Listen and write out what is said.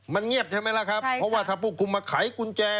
มันเงียบใช่ไหมล่ะครับเพราะว่าถ้าพวกคุณมาไขกุญแจ